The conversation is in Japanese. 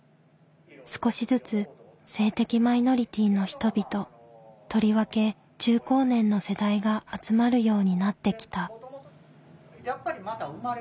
少しずつ性的マイノリティーの人々とりわけ中高年の世代が集まるようになってきた。